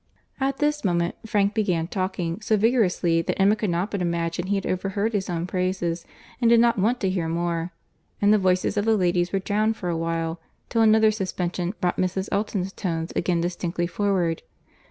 At this moment Frank began talking so vigorously, that Emma could not but imagine he had overheard his own praises, and did not want to hear more;—and the voices of the ladies were drowned for a while, till another suspension brought Mrs. Elton's tones again distinctly forward.